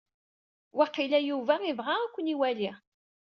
Waqila Yuba ibɣa ad aken-iwali.